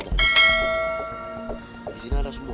di sini ada semua